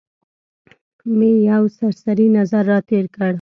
مې یو سرسري نظر را تېر کړ.